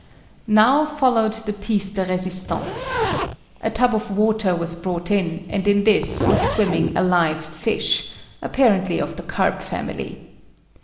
Now followed the piece de resistance. A tub of water was brought in and in this was swimming a live fish, apparently of the carp family.